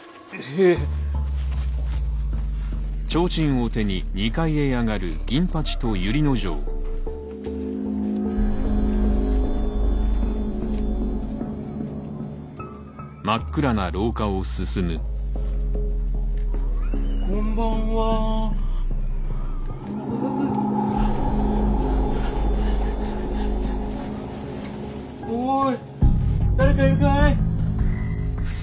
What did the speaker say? おい誰かいるかい。